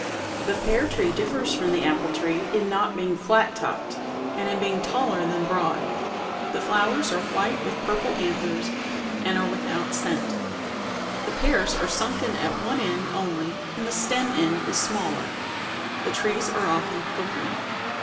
The pear tree differs from the apple tree in not being flat topped, and in being taller than broad. The flowers are white with purple an thers, and are 7. cousms of the apple. without scent. The pears are sunken at one end only, and the stem end is smaller. The trees are often thorny.